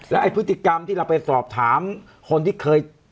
ไอ้พฤติกรรมที่เราไปสอบถามคนที่เคย